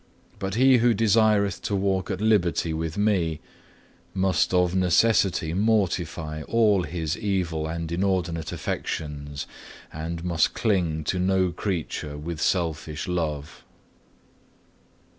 But he who desireth to walk at liberty with Me, must of necessity mortify all his evil and inordinate affections, and must cling to no creature with selfish love."